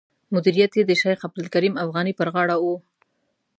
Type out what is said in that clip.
مدیریت یې د شیخ عبدالکریم افغاني پر غاړه و.